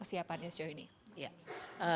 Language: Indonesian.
kalau di rumah sakit ini bagaimana perbedaan